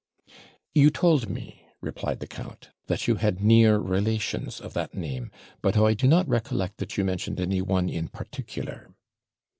'You told me,' replied the count, 'that you had near relations of that name; but I do not recollect that you mentioned any one in particular.'